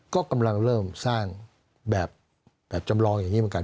ก็กำลังเริ่มสร้างแบบจำลองอย่างนี้เหมือนกัน